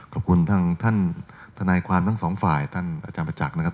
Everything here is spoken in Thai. ขอบคุณทางท่านทนายความทั้งสองฝ่ายท่านอาจารย์ประจักษ์นะครับ